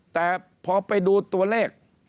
แต่พอไปดูตัวเลข